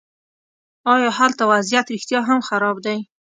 ایا هلته وضعیت رښتیا هم خراب دی.